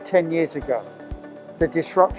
tanpa kemampuan untuk bekerja dari rumah